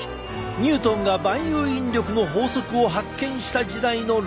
ニュートンが万有引力の法則を発見した時代の論文も！